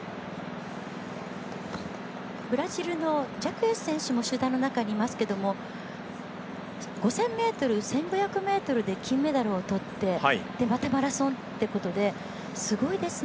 ブラジルのジャクエス選手も集団の中にいますけども５０００ｍで金メダルを取ってマラソンということですごいですね。